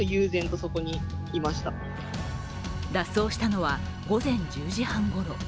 脱走したのは午前１０時半ごろ。